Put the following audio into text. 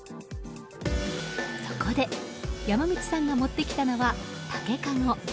そこで山口さんが持ってきたのは竹かご。